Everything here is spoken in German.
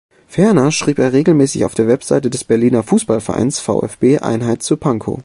Ferner schrieb er regelmäßig auf der Website des Berliner Fußballvereins VfB Einheit zu Pankow.